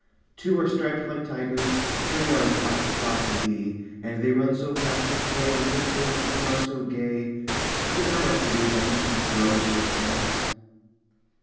Two are striped like tigers, three Are as black as black can be, And they run so fast and play With their tails, and are so gay, Is it not a pity that Each must grow into a cat?